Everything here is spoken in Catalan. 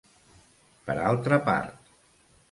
Per altra part.